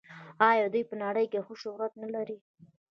آیا دوی په نړۍ کې ښه شهرت نلري؟